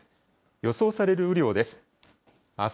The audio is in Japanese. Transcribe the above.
予想される雨量です。